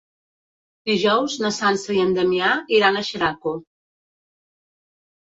Dijous na Sança i en Damià iran a Xeraco.